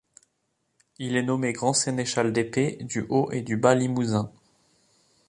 Il est nommé grand sénéchal d'épée du haut et du bas Limousin.